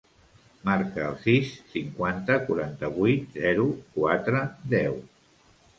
Marca el sis, cinquanta, quaranta-vuit, zero, quatre, deu.